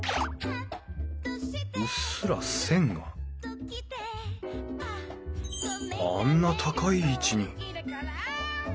うっすら線があんな高い位置に。